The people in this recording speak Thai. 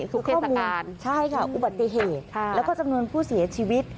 คือข้อมูลอุบัติเหตุและก็จำนวนผู้เสียชีวิต